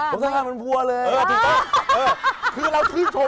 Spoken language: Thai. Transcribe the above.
เราต้องชื่นชมไม่ใช่ว่าเรียกเสียงเศร้าด้วยครับ